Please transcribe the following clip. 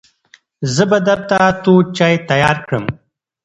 زه به درته تود چای تیار کړم.